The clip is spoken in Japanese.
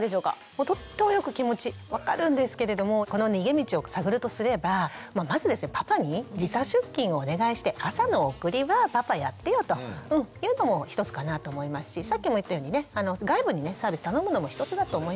もうとってもよく気持ち分かるんですけれどもこの逃げ道を探るとすればまずパパに時差出勤をお願いして朝の送りはパパやってよというのも一つかなと思いますしさっきも言ったようにね外部にねサービス頼むのも一つだと思います。